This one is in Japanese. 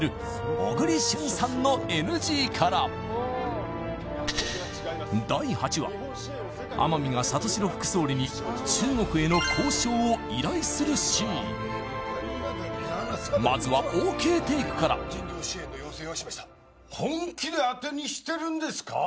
小栗旬さんのＮＧから第８話天海が里城副総理に中国への交渉を依頼するシーンまずはＯＫテイクから本気で当てにしてるんですか！？